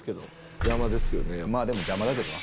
まあでも、邪魔だけどな。